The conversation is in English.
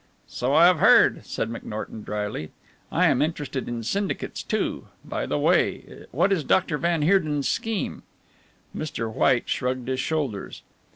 "So I have heard," said McNorton dryly. "I am interested in syndicates, too. By the way, what is Doctor van Heerden's scheme?" Mr. White shrugged his shoulders.